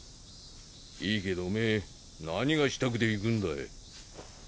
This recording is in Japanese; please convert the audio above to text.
いいけどおめぇ何がしたくて行ぐんだい？